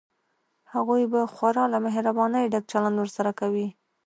هغوی به خورا له مهربانۍ ډک چلند ورسره کوي.